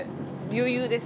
余裕です。